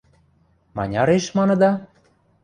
Маняреш маныда?..